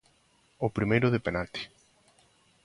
O primeiro de penalti.